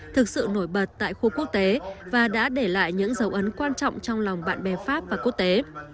thực sự nổi bật tại khu quốc tế và đã để lại những dấu ấn quan trọng trong lòng bạn bè pháp và quốc tế